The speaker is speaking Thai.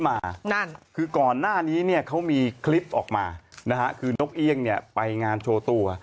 นั่นคือก่อนหน้านี้เนี่ยเขามีคลิปออกมานะฮะคือนกเอี่ยงเนี่ยไปงานโชว์ตัว